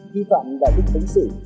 kỳ phạm và đích tính xử